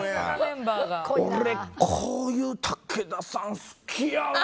俺、こういう武田さん好きやわ。